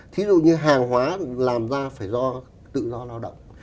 thí dụ như hàng hóa làm ra phải do tự do lao động